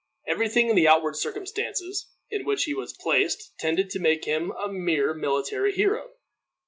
Every thing in the outward circumstances in which he was placed tended to make him a mere military hero.